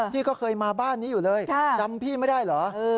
พี่ก็เคยมาบ้านนี้อยู่เลยจำพี่ไม่ได้เหรอ